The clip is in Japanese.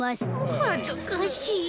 はずかしい。